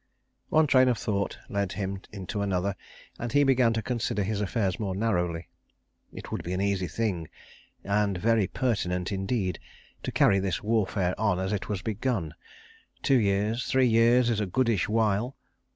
One train of thought led him into another, and he began to consider his affairs more narrowly. "It would be an easy thing, and very pertinent indeed, to carry this warfare on as it was begun. Two years, three years, is a goodish while.